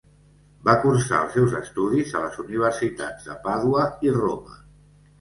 Va cursar els seus estudis a les universitats de Pàdua i Roma.